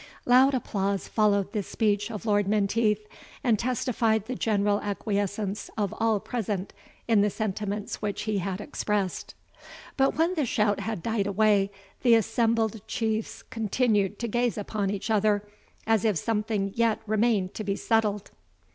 Loud applause followed this speech of Lord Menteith, and testified the general acquiescence of all present in the sentiments which he had expressed; but when the shout had died away, the assembled Chiefs continued to gaze upon each other as if something yet remained to be settled.